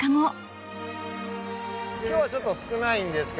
今日はちょっと少ないんですけども。